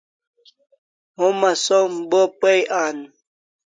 Homa som bo pay an